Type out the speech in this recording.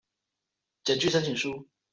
檢具申請書